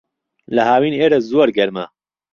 لە ھاوین، ئێرە زۆر گەرمە.